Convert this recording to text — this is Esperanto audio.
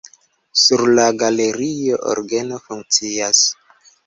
Sur la galerio orgeno funkcias.